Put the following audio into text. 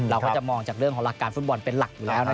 เราก็จะมองจากเรื่องของหลักการฟุตบอลเป็นหลักอยู่แล้วนะครับ